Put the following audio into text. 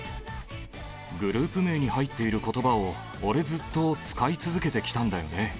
グループ名に入っていることばを俺、ずっと使い続けてきたんだよね。